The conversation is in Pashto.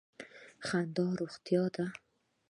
خندا روغتیا ده.